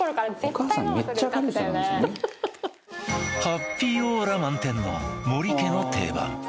ハッピーオーラ満点の森家の定番